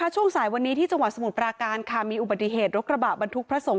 ช่วงสายวันนี้ที่จังหวัดสมุทรปราการค่ะมีอุบัติเหตุรถกระบะบรรทุกพระสงฆ